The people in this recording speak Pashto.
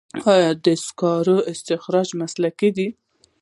آیا د سکرو استخراج مسلکي دی؟